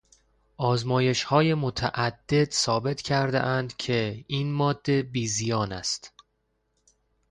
آزمایشهای متعدد ثابت کردهاند که این ماده بیزیان است.